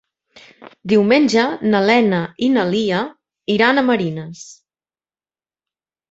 Diumenge na Lena i na Lia iran a Marines.